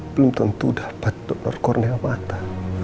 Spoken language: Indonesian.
belum tentu dapat donor kornea mata